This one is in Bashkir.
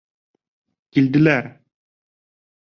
Килделәр!